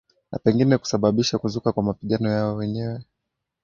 na pengine kusababisha kuzuka kwa mapigano ya wenyewe